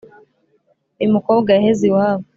Uyu mukobwa yaheze iwabo